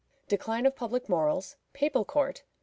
Decline of Public Morals. Papal Court.